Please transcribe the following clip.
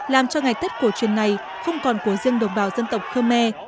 làm cho ngày tết cổ truyền này không còn của riêng đồng bào dân tộc khơ me